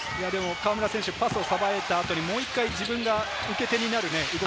河村選手、パスをさばいた後にもう一度、自分が受け手になる。